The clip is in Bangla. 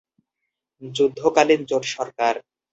যুদ্ধকালীন জোট সরকার।